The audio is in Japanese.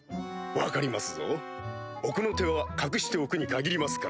分かりますぞ奥の手は隠しておくに限りますからな。